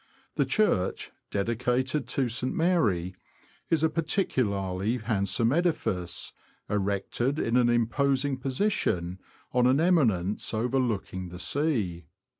The church, dedicated to St. Mary, is a particularly handsome edifice, erected in an imposing position, on an eminence overlooking the sea.